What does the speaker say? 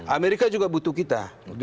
amerika juga butuh kita